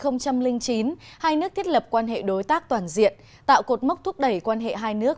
năm hai nghìn chín hai nước thiết lập quan hệ đối tác toàn diện tạo cột mốc thúc đẩy quan hệ hai nước